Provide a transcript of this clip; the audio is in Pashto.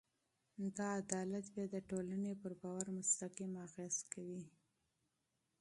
دا عدالت بیا د ټولنې پر باور مستقیم اغېز کوي.